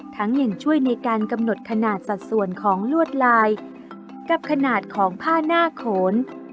ยังช่วยในการกำหนดขนาดสัดส่วนของลวดลายกับขนาดของผ้าหน้าโขน